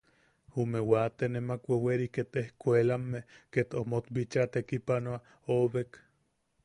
Jume waate nemak weweri ket ejkuelame ket omot bicha tekipanoa oʼobek.